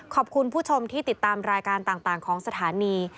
คุณผู้ชมที่ติดตามรายการต่างของสถานี